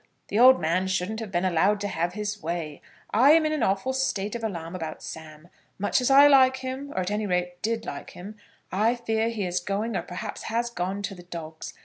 "The old man shouldn't have been allowed to have his way. I am in an awful state of alarm about Sam. Much as I like him, or at any rate did like him, I fear he is going, or perhaps has gone, to the dogs.